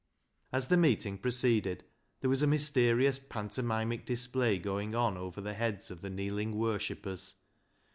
As the meeting proceeded there was a myster ious pantomimic display going on over the heads of the kneeling worshippers.